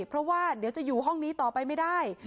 เพราะว่าเดี๋ยวจะอยู่ห้องนี้ต่อไปไม่ได้